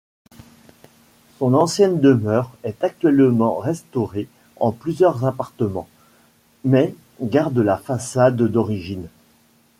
Son ancienne demeure est actuellement restaurée en plusieurs appartements, mais garde la façade d'origine.